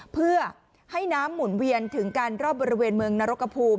เพื่อให้น้ำหมุนเวียนถึงการรอบบริเวณเมืองนรกภูมิ